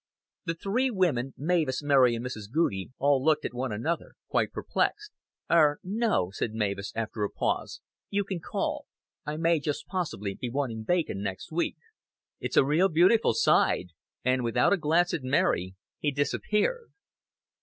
The three women, Mavis, Mary and Mrs. Goudie, all looked at one another, quite perplexed. "Er no," said Mavis, after a pause. "You can call. I may, just possibly, be wanting bacon next week." "It's a real beautiful side;" and, without a glance at Mary, he disappeared.